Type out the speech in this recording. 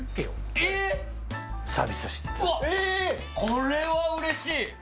これはうれしい！